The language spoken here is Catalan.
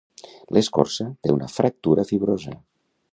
L'escorça té una fractura fibrosa.